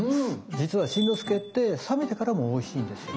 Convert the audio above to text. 実は新之助って冷めてからもおいしいんですよ。